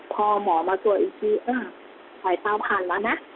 พอหมอมาตรวจอีกทีอ้าวสายเต้าผ่านแล้วนะ